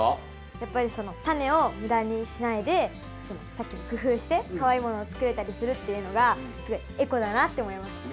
やっぱりそのタネをムダにしないでさっきの工夫してかわいいものを作れたりするっていうのがすごいエコだなって思いました。